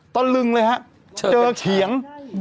ตอนลึงเลยครับเจอเขียง